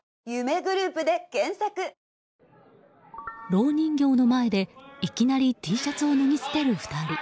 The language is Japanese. ろう人形の前でいきなりＴシャツを脱ぎ捨てる２人。